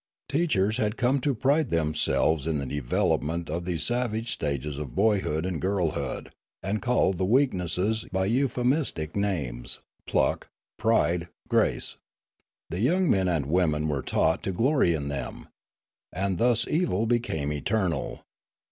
Teachers had come to pride themselves in the develop ment of these savage stages of boyhood and girlhood, and called the weaknesses by euphemistic names, pluck, pride, grace. The young men and women were taught to glory in them. And thus evil became eternal.